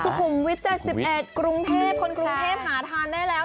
สุขุมวิท๗๑กรุงเทพคนกรุงเทพหาทานได้แล้ว